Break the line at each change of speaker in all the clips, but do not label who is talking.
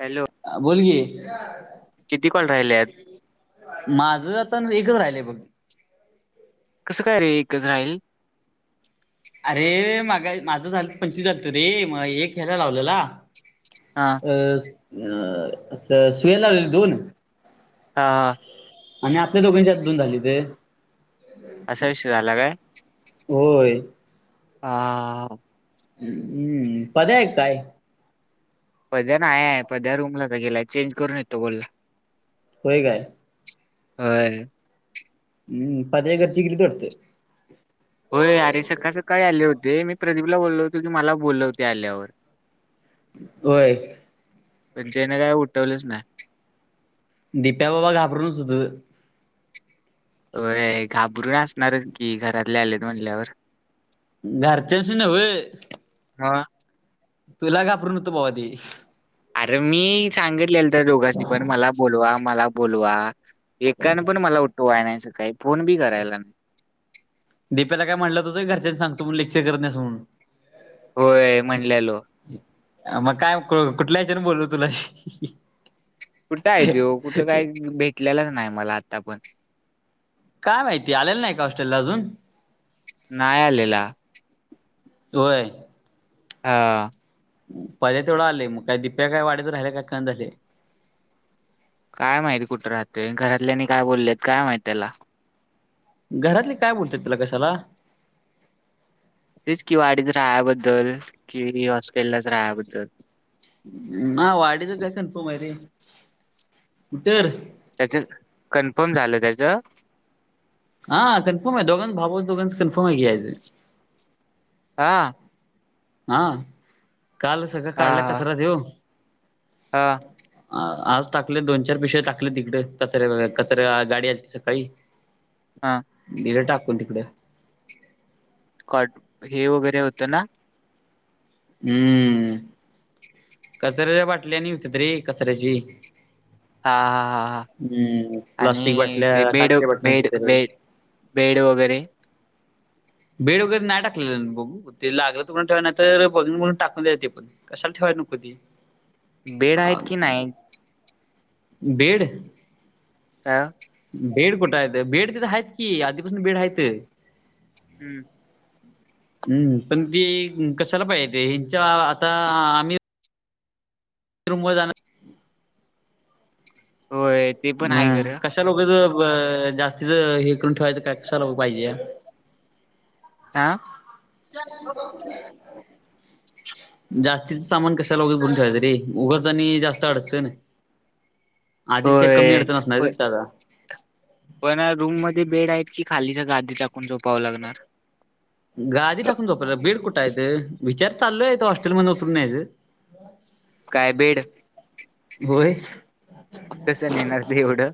Hello
बोल की
किती कॉल राहिले आहेत
माझं आता एकच राहिलंय बघ.
कसं काय रे एकच राहील.
अरे माग माझं झालं पंचवीस झालंत रे मग एक ह्याला लावलेला.
हां
तर तर सुह्याला लावलेले दोन.
हां
आणि आपल्या दोघांच्यात दोन झाली ते.
असा विषय झाला काय
होय
हां
हम्म पद आहे काय?
पध्या नाय आहे पद्या रूमला का गेलाय चेंज करून येतो बोलला.
होय काय.
होय
हम् पद्या घरची गेलीत वाटतं‌
होय अरे सकाळ सकाळी आले होते मी प्रदीपला बोललो होतो की मला बोलव ते आल्यावर. [inaudible]
होय
पण त्याने काय उठवलेच नाही.
दिप्या बाबा घाबरूनच होतं.
होय घाबरून असणारच कि घरातले आलेत म्हणल्यावर.
घरच्याचं नव्ह
मग
तुला घाबरत होत भावा ते.
अरे मी सांगितलेलं तर दोघांनी पण मला बोलवा मला बोलवा. एकानं पण मला उठवाय नाही सकाळी फोन बी करायला नाही.
दिप्याला काय म्हटलं त होत घरच्यांना सांगतो मग लेक्चर करत नाहीस म्हणून.
होय म्हणलेलो
मग काय कुठल्या ह्याच्यान बोलू तुला.
कुठं आहे त्यो कुठं काही भेटलेलंच नाही मला आता पण.
काय माहिती आलेलं नाय का हॉस्टेलला अजून
नाय आलेला
होय.
हा
पद्या तेवढा आलेय म काय दिप्या काय वाढीत राहिल्या काय कंधाले
काय माहिती कुठं राहतय घरातल्यानी काय बोललेत काय माहिती त्याला
घरातले काय बोलत्यात त्याला कशाला?
तेच की वाडीत रायांबद्दल की री हॉस्टेललाच रायांबद्दल
नाय वाढितच हाय कन्फर्म हाय रे, कुटर
त्याच कन्फर्म झालं त्याच
हा कन्फर्म आहे दोघांच भावा दोघांच कन्फर्म आहे की यायचं.
हा
हा काल सगळं काढला
हा
कचरा त्यो
हा
आज टाकलेत दोन चार पिशव्या टाकलेत तिकड कचऱ्या कचऱ्या गाडी आलती सकाळी.
हा
दिल टाकून तिकड
कॉट हे वगैरे होतं ना
हम्म कचऱ्या बाटल्या आणि होत्यात रे कचऱ्याची
हा हा हा हा
हम्म
आणि
प्लास्टिक
ते
बाटल्या
बेड
काचच्या बाटल्या
बेड
होत्या रे
बेड बेड वगैरे
भेड वगैरे नाय टाकलानं बघू ते लागलं तर परत ठेवा नातर बघुनं बघून टाकून दयायच ते पण कशाला ठेवाय नको ते
बेड आहेत की नाही.
बेड
कां
बेड कुट हायत बेड तिथं हाईत की आधीपासन बेड हायत
हम्म
हूं पण ती कशाला पाहिजे ते हच्या आता आम्ही रूम वर जाणार
होय. ते पण
म
आहे खरं
कशाला उगाच ब जास्तीच हे करून ठेवायचं काय कशाला पाहिजे.
हा
जास्तीच सामान कशाला उगाच भरून ठेवायचं रे उगाच आणि जास्त अडचण आधीच काय कमी
होय
अडचण असणार
प
व्हय तिथं आता
पण रूम मध्ये बेड आहेत की खालीच्या गादी टाकून झोपावं लागणार.
गादी टाकून झोपायला बेड कुठ हायत विचार चालू ये हॉस्टेलमध्ये उचलूनं न्यायचं
[inaudible] काय बेड
होय
कस नेणार ते एवढं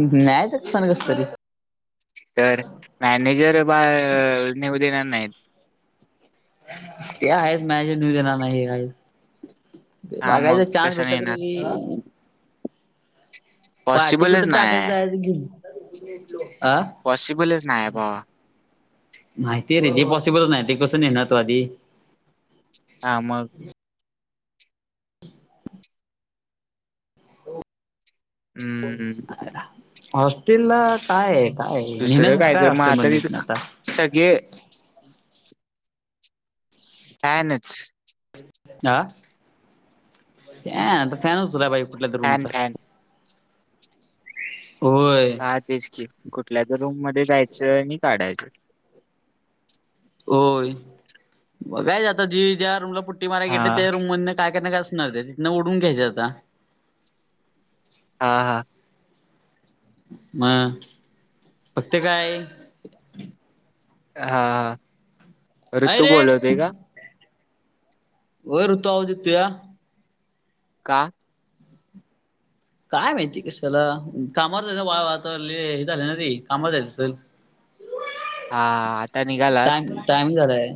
न्यायचं कस आणि कस तरी
तर मॅनेजर बा नेऊ देणार नाहीत
ते आहेच मॅनेजर नेऊ देणार नाही काही ते
हा मग
बघायचा चान्स
कसं
भेटला
नेणार
तरी पाटी
पॉसिबलच
कुठं टाकायच
नाही
जायचं घेऊनं आत्ताच झोपेतून उठलो आं
पॉसिबलच नाये भावा
माहिती ये रे ते पॉसिबलच नाय ते कसं नेणार तो आधी
हा मग हम्म
हॉस्टेलला काय काय नेन्यासारख काय अस म हितना आता
सगे यनच
आ फॅन आता फॅनच होला बाई कुठल्या तर
फॅन
रूमचा
फॅन
होय
ह तेच कि कुठल्या ज रूम मध्ये जायचं आणि काढायचं
होय काय जात जी ज्या रमला टी मार
हा
घेतले त्या रूमध काय काय असणार ते तिनंओडून्यायं आता
हा हा
म फक् ते काय
हा हा
अय
ऋतू
रे
बोलवते का
वय ऋतू आवजेत तू या
का
काय माहिती कशाला कामा जायचं आता हे झालं ना रे कामावर जायचं असल
हा आता निघालात
टाईम झालाय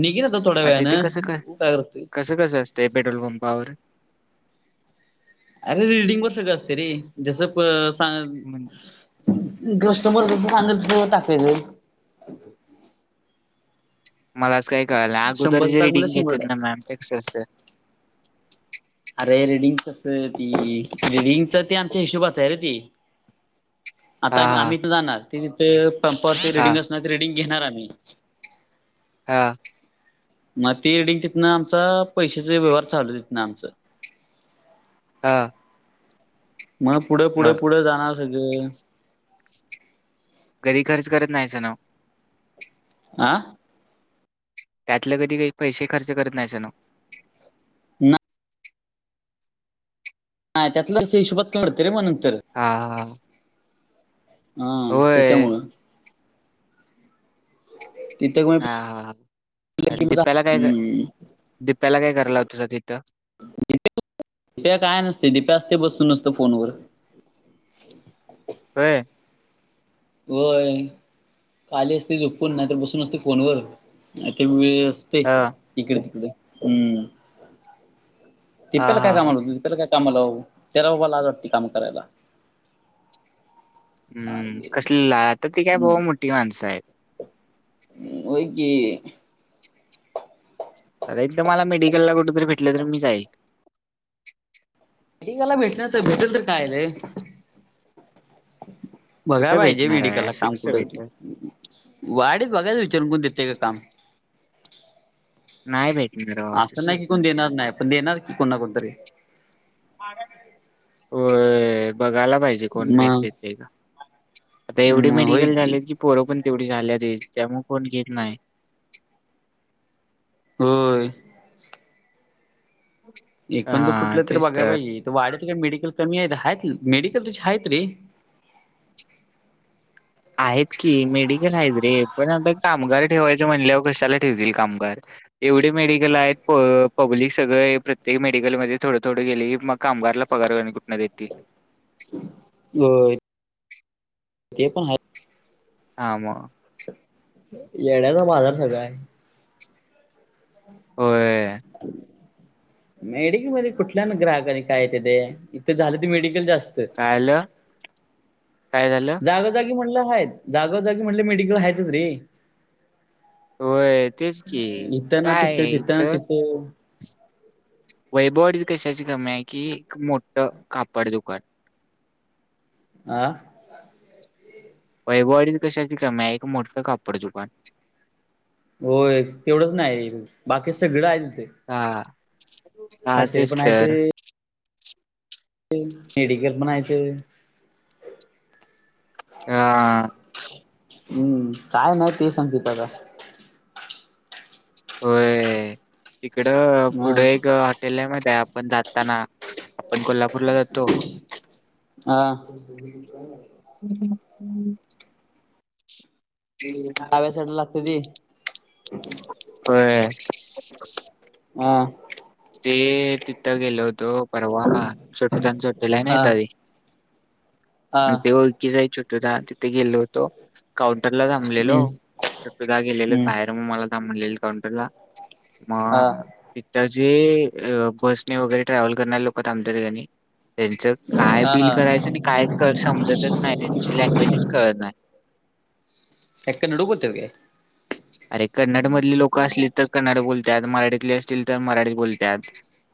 निघेल आता थोड्या
तिथे
वेळनें
कसं क
काय करतोय
कसं कस असं ते पेट्रोल पंपावर
अरे रीडिंग वर सगळ असते रे जसं
म्हण
गष्टन मग टाकायच
मला असं काही कळालंय अगोदर
शंभरच
जे
टाक म्हणलं
रिडिंग
शंभर
घेतेत
टाक.
ना मॅम ते कस असत
अरे रीडिंग कस आहे ती रीडिंगच त आमच्या हिशोबाच आहे रे ती आता
हा,
आम्ही इथ जाणार त तिथे पंपावरती रिडिंग
हा,
असणार ते रिडिंग घेणार आम्ही
हा
मग तेी रिडिंग तिथनं आमचा पैशाचा व्यवहार चालू तथनं आमचं
हा
मग पुढे पुढे
मग
पुढे जाणार सगळे
कधी खर्च करत नाहीच ना
आं
त्यातलं कधी काही पैसे खर्च करत नाहीच ना
नाही ह त्यातला हिशोबात कळतं रे मग नंतर
हा हा
हा
होय.
त्याच्यामुळं तिथे मग
हा हा आणि दप्याला काय
हम्म
दिप्याला काय करायला होतंस तिथं
प्या काय नसते दिप्या असते बसून नसत फोनवर
अ
होय काली असते झोपपून नाहीतर बसून असते फोनवर ते वेळ ते
ह, हा,
इकडे तिकडे हम्म ते पला काय
हा, हा.
कामाल होत ला काय कामाला तेरा बाबाला आज वाटते काम करायला
हम्म कसले आता ती काय बह मोठी माणसं आहेत
हो क
अर एकदा मला मेडिकलला कुठंतरी भेटलं तरी मी जाईल
भेटिकाला भेटणार तर भेटेल तर कायलय बघाय
कुठं
पाहिजे
भेटणार आहे?
मेडिकलला
असं
काम
कसं
कुठरी
भेटल?
वाढत बघायच विचारून करून देते का काम
नाही भेटणार बाबा
असं
तसं.
नाही की कोण देणार नाही पण देणार की कोणा कोणतरी
अ बघायला पाहिजे कोण
मग
आता एवढे
म होय
मेडिकल झाले की पोरं पण तेवढी झाल्यातईल त्यामु कोण घेत नाही
ह एकोणंद
हा
कुठलं तरी
तेच
बघा
तर.
बाई वाढत काय मेडिकल कमी आहेत आहेत मेडिकल त आहेत रे
आहेत की मेडिकल आहेत रे पण आता कामगार ठेवायचं म्हणलेवर कशाला ठेवतील कामगार एवढे मेडिकल आहेत पब्लिक सगळं प्रत्येक मेडिकलमध्येध्ये थोडं थोडं गेले मग कामगारला पगार आणि कुठनं देतील?
होय. ते पण हाय.
हा म.
येड्याचा बाजार सगळा आहे.
होय
[inaudible] मेडिकलमध्ये कुठल्या ना ग्राहकाने काय ते तेथे? इथं झालंत मेडिकल जास्त.
काय आलं? काय झालं?
जागोजागी म्हटलं आहेत. जागोजागी म्हटले मेडिकल आहेतच रे.
होय तेच की.
इथं ना
काय
तिथं,
आहे
तिथं ना
इथं
तिथं.
वैभववाडीत कशाची कमी आहे, कि मोठं कापड दुकान.
आं?
वैभववाडीत कशाची कमी आहे? एक मोठ कापड दुकान.
होय. तेवढंच नाही, बाकी सगळं आहे तिथे.
हा. हा
हॉटेल
तेच
पण आहेत
तर.
मेडिकल पण हायत.
आं
हं. काय नाही ते सांग तिथं आता.
होय. तिकडं
अ
पुढं एक हॉ टेल मध्ये. आपण जाताना, आपण कोल्हापूरला जातो
हां.
[unintelligible] ते
डाव्या साइडला लागते ते?
होय.
हां.
ते तिथं गेलो होतो परवा. छोटे ताईंच हॉटेल
अ
नाही ताई.
अ
ते ओळखीच आहे छोटू दा. तिथ गेलो होतो. काउंटर ला थांबलेलो.
हम्म
छोटूदा गेलेले
हम्म
बाहेर. मग मला थांब म्हणलेले काउंटरला. म
अ
तिथंच जे बसने वगैरे ट्रॅव्हल करणारे लोकं थांबतात की नही, त्यांचं काय
हा
बिल
हा
करायचं नी काय समजतच नाही. त्यांची लँग्वेजच कळत नाही.
काय कन्नडू बोलत्यात काय?
अरे कन्नड मधली लोक असले तर कन्नड बोलतात. मराठीतले असतील तर मराठी बोलतात.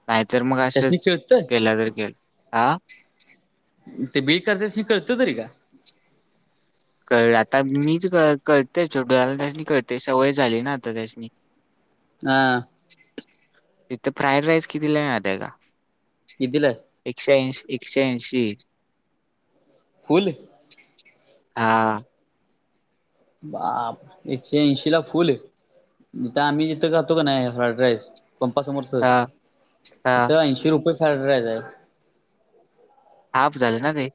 नाहीतर मग
त्यासनी
असंच.
कळतं
तेला गरकेल, आं?
ते बील करतात त्यासनी कळत तरी का?
कळल. आता मीच कळ कळतय. छोटू दाला त्यास्नी कळतंय. सवय झाली ना आता त्यासनी. [inaudible]
हां.
तिथं फ्रायड राईस कितीला मिहतय का?
कितीलाये?
एकशे ऐंश एकशे ऐंशी.
फुल?
हा.
बाप! एकशे ऐंशी ला फुल? आता आम्ही तिथं खातो का नाही फ्राईड राईस पंपासमोरच
हा हा
तिथ ऐंशी रुपये फ्राईड राईस आहे.
हाफ झालं ना ते?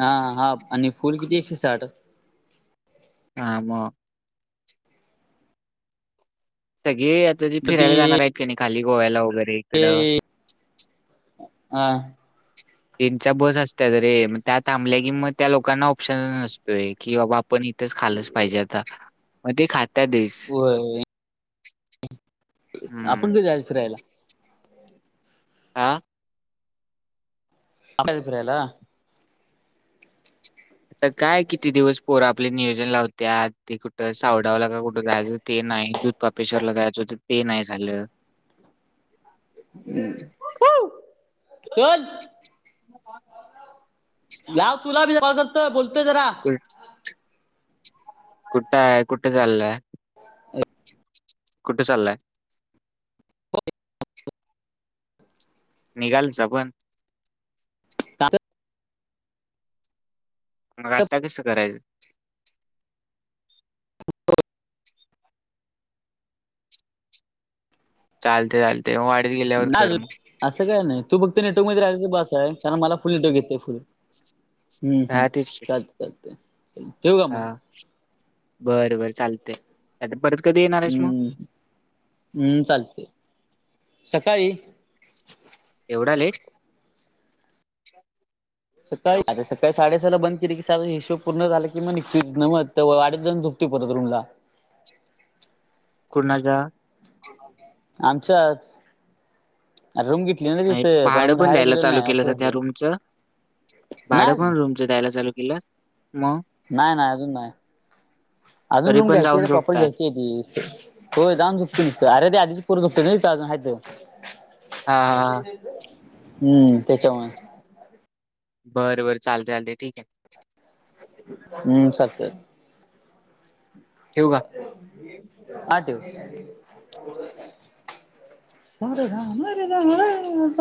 हा हा हाफ. आणि फूल किती एकशे साठ.
हा म. सगळे आता जे
तर
फिरायला जाणार आहेत का नाही खाली गोव्याला वगैरे,
ते
इकडं
हां.
त्यांचा बस असतात रे मग त्या थांबल्या की मग त्या लोकांना ऑप्शन नसतोय की बाबा आपण तेच खाल्लच पाहिजे आता मग ते खातातचं.
होय आपण कधी जायच फिरायला?
आह!
आपण कधी जायच फिरायला?
आता काय किती दिवस पोरं आपली नियोजन लावतायतं ते कुठं सावडावला का कुठं र ते नाही पपेश्वर ला जायचं होत ते नाही झालं-
हम्! चल! जा तुला मी कॉल करतोय बोलतोय जरा-
ह! कुठ आहे कुठ चाललाय?
अ!
कुठ चालला आहे? निघालच पण-
[inaudible]
मग आता कसं करायचं? चालते लते- ते वाडत गेल-
असं काय नाही तू फक्त नेटवर्क मध्ये राहायचं बस आहे कारण मला फुल नेटवर्क घेतय फुल- हम्म हम्म
हा तेच की.
चालत चालते.
हा बर बर चालतय परत कधी येणार? आहेस मग?
हम्म हम्म चालतय सकाळी.
एवढा लेट?
सकाळी आ सकाळी साडेसहाला बंद केली की सागळा हिशोब पूर्ण झाला की मग निघकीच मग वाडीत जाऊन झुप- येतो परत रूम ला
कुणाच्या?
आमच्याच. अरे रूम घेतली ना
नाही
तिथं
भाडं
अजून
पण
राहायला
द्यायला
गेलेलो
चालू
नाही
केलंच
असं
त्या
झालंय
रूमच? भाडं
नाही अजून
पण रूमचं दयला चालू केलं मग
नाही नाही अजून नाही अजून
तरी
रूम
पण
घ्यायची
जाऊन
प्रॉपर
झोपताय.
घ्यायची आहे होय जाऊन चुकते अरे ते आधीच पोरं झोपतेत ना तिथ अजून
हा हा हा
हम्म त्याच्यामुळे-
बरं बरं चालते चालते ठीक आहे
हम्म सक
ठेव का
आठव मरेाे